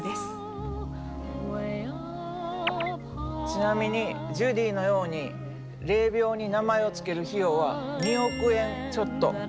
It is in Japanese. ちなみにジュディのように霊びょうに名前を付ける費用は２億円ちょっと。